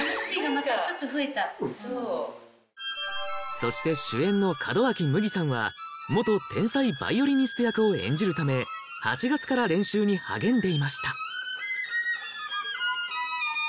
そして主演の門脇麦さんは天才ヴァイオリニスト役を演じるために励んでいました